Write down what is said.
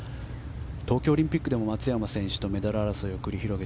東京オリンピックでも松山選手とメダル争いを繰り広げ